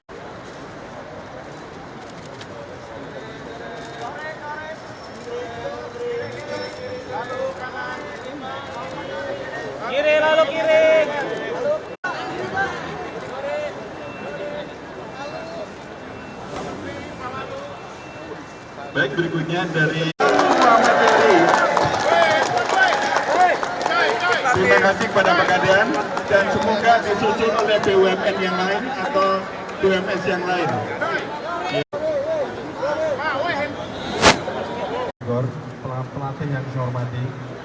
pak kapolres yang disahormati